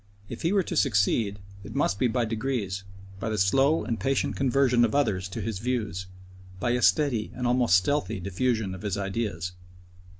If he were to succeed, it must be by degrees, by the slow and patient conversion of others to his views, by a steady and almost stealthy diffusion of his ideas.